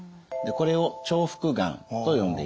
これを重複がんと呼んでいます。